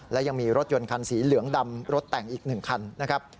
และยังมีรถยนต์คันสีเหลืองดำรถแต่งอีก๑คันนะครับ